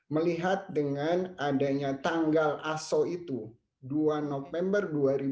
melihat dengan adanya tanggal aso itu dua november dua ribu dua puluh